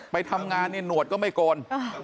ไปทำงานนี่หนวดก็ไม่โกน